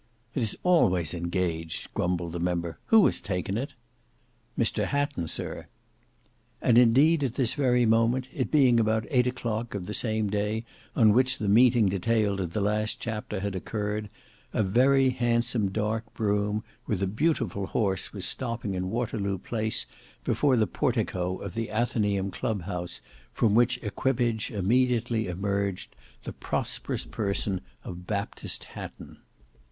"It is always engaged," grumbled the member. "Who has taken it?" "Mr Hatton, sir." And indeed at this very moment, it being about eight o'clock of the same day on which the meeting detailed in the last chapter had occurred, a very handsome dark brougham with a beautiful horse was stopping in Waterloo Place before the portico of the Athenaeum Club house, from which equipage immediately emerged the prosperous person of Baptist Hatton.